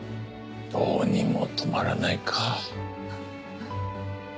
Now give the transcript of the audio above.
どうにも止まらないか。